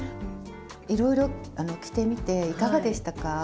いろいろ着てみていかがでしたか？